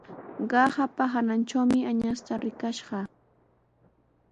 Qaqapa hanantrawmi añasta rikash kaa.